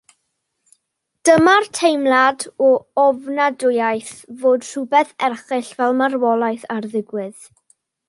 Dyma'r teimlad o ofnadwyaeth fod rhywbeth erchyll fel marwolaeth ar ddigwydd.